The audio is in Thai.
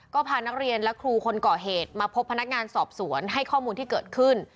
ก็พานักเรียนและครูคนก่อเหตุมาพบพนักงานสอบสวนให้ข้อมูลที่เกิดขึ้น